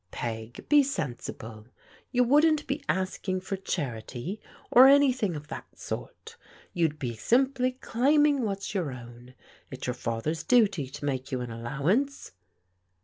" Peg, be sensible. You wouldn't be asking for charity or anything of that sort. You'd be simply clsuming what's your own. It's your father's duty to make you an allowance."